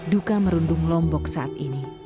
duka merundung lombok saat ini